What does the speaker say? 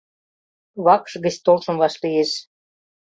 Вакш гыч толшым вашлиеш: